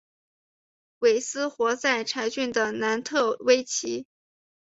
韦斯活在柴郡的南特威奇。